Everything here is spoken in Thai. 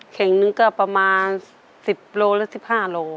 เข่งนึงก็ประมาณสิบโลและสิบห้าโล